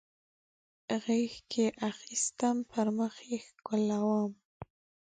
غیږ کې اخیستم پر مخ یې ښکلولم